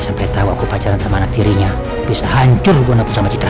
sampai tahu aku pacaran sama anak tirinya bisa hancur hubungan aku sama citra